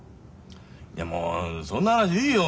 もうそんな話いいよ。